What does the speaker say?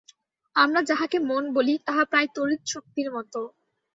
আমরা যাহাকে মন বলি, তাহা প্রায় তড়িৎশক্তির মত।